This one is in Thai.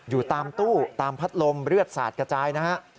อยู่ตามตู้ตามพัดลมเลือดสาดกระจายนะฮะ